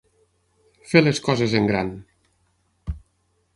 Fer les coses en gran.